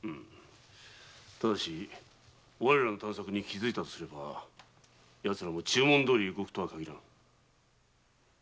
ただし我らの探索に気づいたとすればヤツらも注文どおりに動くとはかぎらぬ。